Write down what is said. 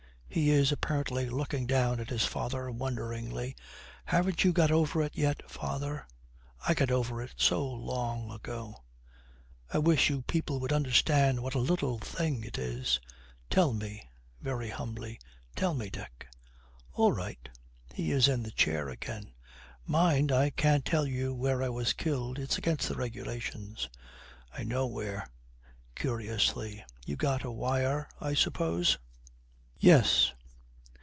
He is apparently looking down at his father wonderingly. 'Haven't you got over it yet, father? I got over it so long ago. I wish you people would understand what a little thing it is.' 'Tell me,' very humbly; 'tell me, Dick.' 'All right.' He is in the chair again. 'Mind, I can't tell you where I was killed; it's against the regulations.' 'I know where.' Curiously, 'You got a wire, I suppose?' 'Yes.'